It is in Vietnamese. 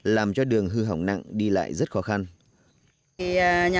làm cho đường hư hỏng nặng đi lại rất khó khăn